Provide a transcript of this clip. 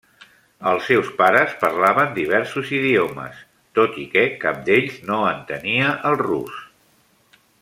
Els seus pares parlaven diversos idiomes, tot i que cap d'ells no entenia el rus.